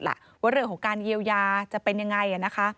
วันเหลือของการเยียวยาจะเป็นอย่างไร